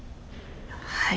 はい。